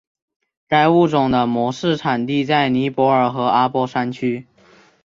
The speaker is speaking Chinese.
该物种的模式产地在尼泊尔和阿波山区。